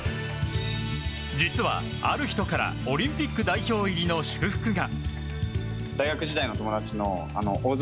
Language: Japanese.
実は、ある人からオリンピック代表入りの祝福が。